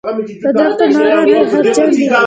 د دښتو ماران زهرجن دي